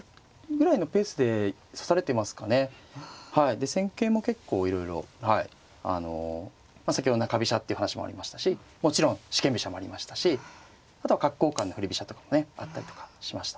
で戦型も結構いろいろはいあの先ほど中飛車っていう話もありましたしもちろん四間飛車もありましたしあとは角交換の振り飛車とかもねあったりとかしました。